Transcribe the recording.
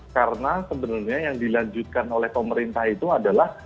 karena sebenarnya yang dilanjutkan oleh pemerintah itu adalah